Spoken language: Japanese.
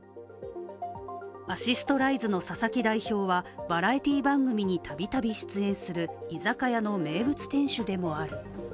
アシストライズの佐々木代表はバラエティー番組にたびたび出演する居酒屋の名物店主でもある。